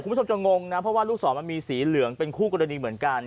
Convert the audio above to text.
คุณผู้ชมจะงงนะเพราะว่าลูกศรมันมีสีเหลืองเป็นคู่กรณีเหมือนกัน